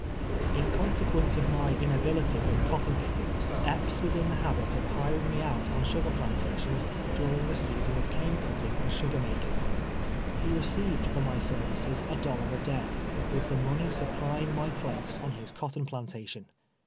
Is consequence of my inability in cotton picking, Epps was in the liabit of hiring me out on sugar plantations during the season of cane cutting and sugar making. He received for my services a dollar a day, with the money supplying my place on his cotton plantation.